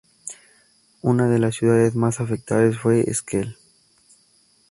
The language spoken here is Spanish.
Una de las ciudades más afectadas fue Esquel.